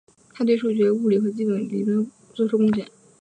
他对数学物理和基本理论物理学做出了贡献。